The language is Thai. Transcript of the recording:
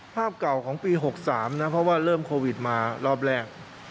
ภาพเก่าของปี๖๓นะเพราะว่าเริ่มโควิดมารอบแรก